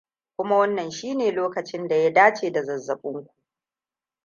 kuma wannan shine lokacin da ya dace da zazzaɓin ku